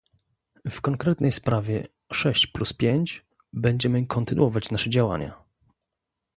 W konkretnej sprawie "sześć plus pięć" będziemy kontynuować nasze działania